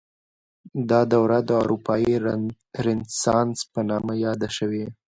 دا دوره د اروپايي رنسانس په نامه یاده شوې.